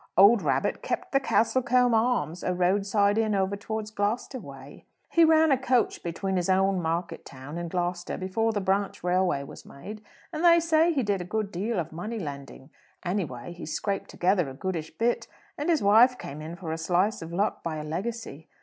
Old Rabbitt kept the Castlecombe Arms, a roadside inn over towards Gloucester way. He ran a coach between his own market town and Gloucester before the branch railway was made, and they say he did a good deal of money lending; any way, he scraped together a goodish bit, and his wife came in for a slice of luck by a legacy.